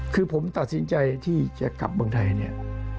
คือผมตัดสินใจที่จะกลับบ้านไทย